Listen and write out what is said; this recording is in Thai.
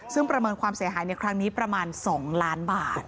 ซึ่งประเมินความเสียหายในครั้งนี้ประมาณ๒ล้านบาท